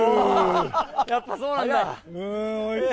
やっぱそうなんだ。